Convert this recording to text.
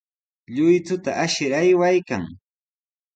Lluychuta ashir aywaykan.